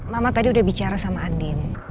mama tadi udah bicara sama andin